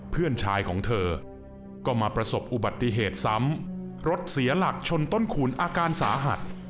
เพื่อนชายของเธอก็มาประสบอุบัติเหตุซ้ำรถเสียหลักชนต้นขุนอาการสาหัส